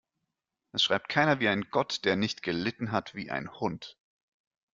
Es schreibt keiner wie ein Gott, der nicht gelitten hat wie ein Hund.